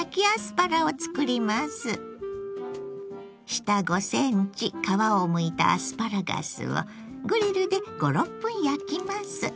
下５ｃｍ皮をむいたアスパラガスをグリルで５６分焼きます。